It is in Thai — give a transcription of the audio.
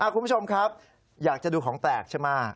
คุณผู้ชมครับอยากจะดูของแปลกใช่ไหม